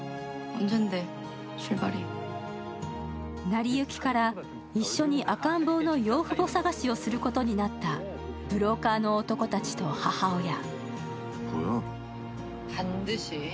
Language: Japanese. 成り行きから一緒に赤ん坊の養父母探しをすることになったブローカーの男たちと母親。